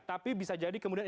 tapi bisa jadi kemudian